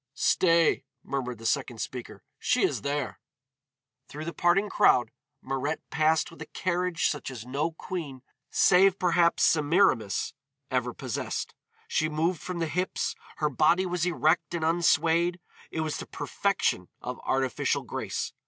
"Stay," murmured the second speaker, "she is there." Through the parting crowd Mirette passed with a carriage such as no queen, save perhaps Semiramis, ever possessed. She moved from the hips, her body was erect and unswayed. It was the perfection of artificial grace.